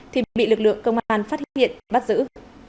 thì bị lực lượng công an phát hiện bắt giữ